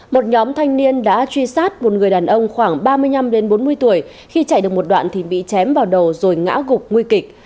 một nhóm thanh niên đã truy sát một người đàn ông khoảng ba mươi năm bốn mươi tuổi khi chạy được một đoạn thì bị chém vào đầu rồi ngã gục nguy kịch